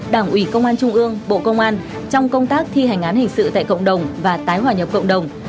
đảng ủy công an trung ương bộ công an trong công tác thi hành án hình sự tại cộng đồng và tái hòa nhập cộng đồng